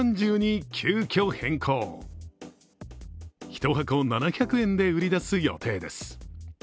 一箱７００円で売り出す予定です。